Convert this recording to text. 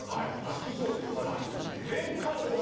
好きそうでしょ。